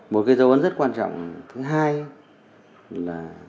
một cái dấu ấn rất quan trọng thứ hai là